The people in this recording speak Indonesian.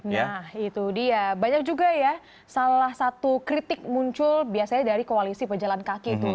nah itu dia banyak juga ya salah satu kritik muncul biasanya dari koalisi pejalan kaki itu